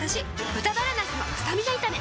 「豚バラなすのスタミナ炒め」